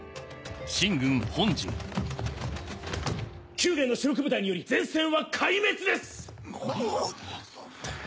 宮元の主力部隊により前線は壊滅です！